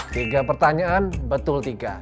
tiga pertanyaan betul tiga